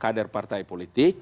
kader partai politik